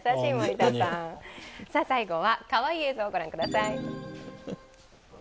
最後はかわいい映像を御覧ください。